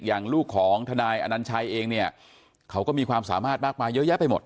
อย่างลูกของทนายอนัญชัยเองเนี่ยเขาก็มีความสามารถมากมายเยอะแยะไปหมด